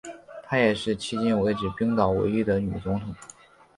她也是迄今为止冰岛唯一的女总统。